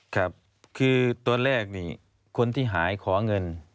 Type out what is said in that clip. ครับคือตอนแรกนี่คนที่หายขอเงิน